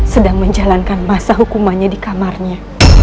sedang menjalankan masa hukumannya di kamarnya